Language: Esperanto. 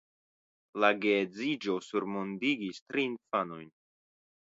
La geedziĝo surmondigis tri infanojn.